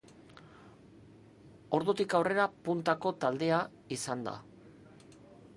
Ordutik aurrera puntako taldea izan da.